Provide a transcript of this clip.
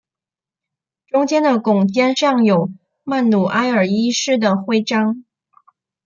中间的拱肩上有曼努埃尔一世的徽章。